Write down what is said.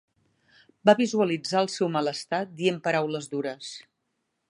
Va visualitzar el seu malestar dient paraules dures.